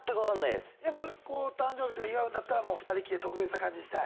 やっぱ誕生日とか祝うんだったら２人きりで特別な感じにしたい？